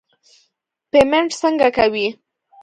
پیمنټ څنګه کوې.